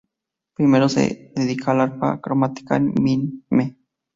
Primero se dedica al arpa cromática, con Mme.